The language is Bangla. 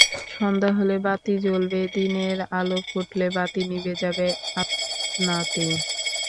সন্ধ্যা হলে বাতি জ্বলবে, দিনের আলো ফুটলে বাতি নিভে যাবে আপনাতেই।